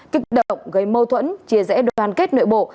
kích động gây mâu thuẫn chia rẽ đoàn kết nội bộ